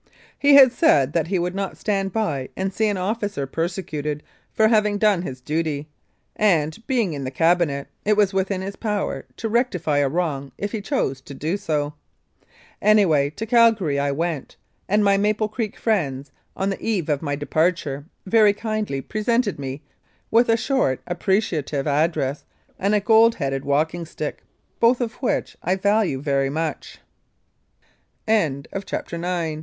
He had said that he would not stand by and see an officer persecuted for having done his duty, and, being in the Cabinet, it was within his power to rectify a wrong if he chose to do so. Anyway, to Calgary I went, and my Maple Creek friends, on the eve of my departure, very kindly pre sented me with a short appreciative address and a gold headed walk